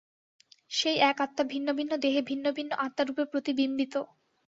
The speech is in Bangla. সেই এক আত্মা ভিন্ন ভিন্ন দেহে ভিন্ন ভিন্ন আত্মারূপে প্রতিবিম্বিত।